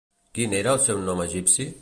Quin era el seu nom egipci?